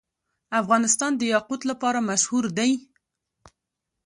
افغانستان د یاقوت لپاره مشهور دی.